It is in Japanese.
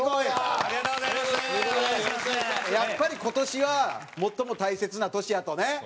やっぱり今年は最も大切な年やとね。